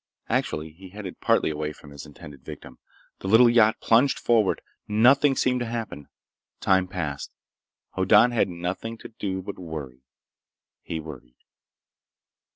Actually, he headed partly away from his intended victim. The little yacht plunged forward. Nothing seemed to happen. Time passed. Hoddan had nothing to do but worry. He worried.